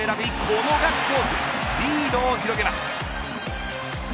このガッツポーズリードを広げます。